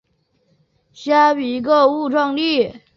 虾皮购物创立。